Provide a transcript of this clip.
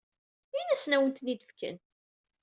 Init-asen ad awen-tent-id-fken.